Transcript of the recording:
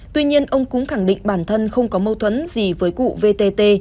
tuy nhiên ông cũng khẳng định bản thân không có mâu thuẫn gì với cụ vtt